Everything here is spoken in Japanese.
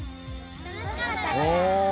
楽しかったです！